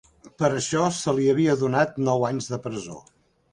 Per això, se li havia donat nou anys de presó.